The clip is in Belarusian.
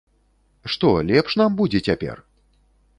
Што, лепш нам будзе цяпер?